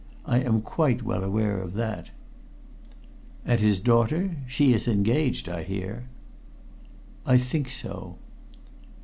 I am quite well aware of that." "And his daughter? She is engaged, I hear." "I think so."